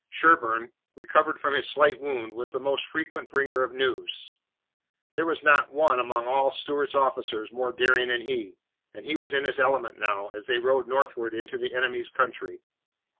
Sherburne, recovered from his slight wound, was the most frequent bringer of news. There was not one among all Stuart's officers more daring than he, and he was in his element now, as they rode northward into the enemy's country.